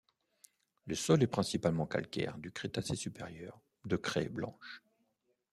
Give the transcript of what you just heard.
Le sol est principalement calcaire du Crétacé supérieur, de craie blanche.